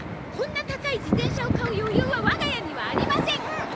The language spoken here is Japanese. こんな高い自転車を買う余裕は我が家にはありません！